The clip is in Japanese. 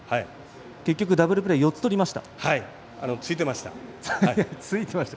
結局、ダブルプレー４つとりました。